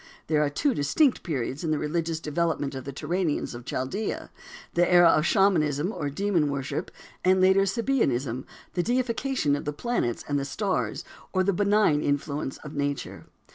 There are two distinct periods in the religious development of the Turanians of Chaldea, the era of Shamanism or demon worship, and later Sabeanism, the deification of the planets and the stars or the benign influence of nature.